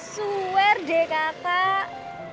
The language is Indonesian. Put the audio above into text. suwer deh kakak